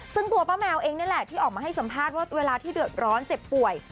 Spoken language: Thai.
ซึ่งตัวป้าแมวเองนี่แหละที่ออกมาให้สัมภาษณ์ว่าเวลาที่เดือดร้อนเจ็บป่วย